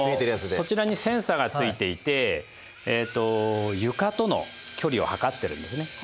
そちらにセンサがついていて床との距離を測ってるんですね。